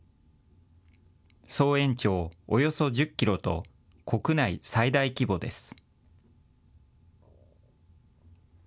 総延長およそ１０キロと国内最大規模です。